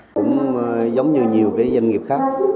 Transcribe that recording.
cũng giống như nhiều cái doanh nghiệp khác